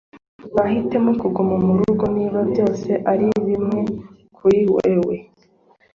nahitamo kuguma murugo niba byose ari bimwe kuri wewe.